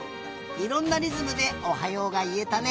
いろんなりずむで「おはよう」がいえたね。